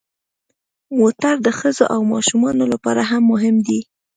موټر د ښځو او ماشومانو لپاره هم مهم دی.